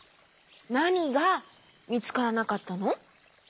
なにがみつからなかったの？